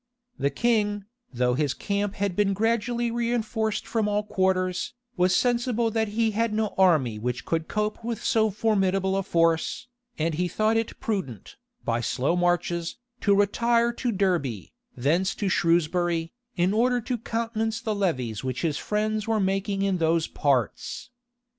[*] The king, though his camp had been gradually reënforced from all quarters, was sensible that he had no army which could cope with so formidable a force, and he thought it prudent, by slow marches, to retire to Derby, thence to Shrewsbury, in order to countenance the levies which his friends were making in those parts.